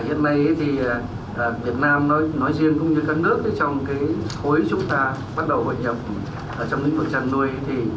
hiện nay thì việt nam nói riêng cũng như các nước trong khối chúng ta bắt đầu hội nhập trong lĩnh vực chăn nuôi